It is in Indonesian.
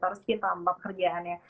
harus cinta sama pekerjaannya